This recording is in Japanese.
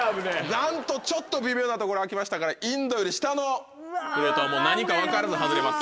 なんとちょっと微妙なところ開きましたからインドより下のプレートはもう何か分からず外れます。